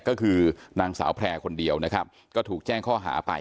ก็คือนางสาวแพร่คนเดียวนะครับก็ถูกแจ้งข้อหาไป